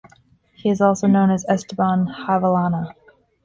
He is also known as Esteban Javellana.